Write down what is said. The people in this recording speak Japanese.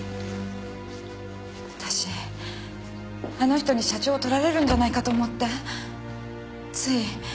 私あの人に社長を取られるんじゃないかと思ってつい。